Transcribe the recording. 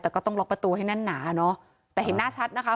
แต่ก็ต้องล็อกประตูให้แน่นหนาเนอะแต่เห็นหน้าชัดนะคะ